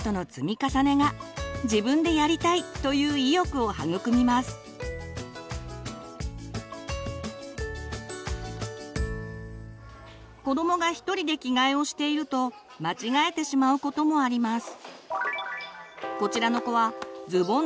こうして子どもが１人で着替えをしていると間違えてしまうこともあります。